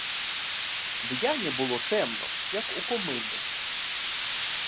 В ямі було темно, як у комині.